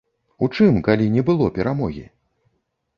У чым, калі не было перамогі?